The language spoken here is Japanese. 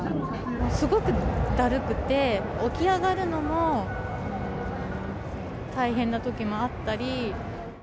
すごくだるくて、起き上がるのも、大変なときもあったり。